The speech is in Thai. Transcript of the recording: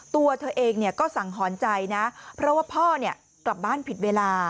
ตัวเธอเองก็สังหรณ์ใจนะเพราะว่าพ่อกลับบ้านผิดเวลา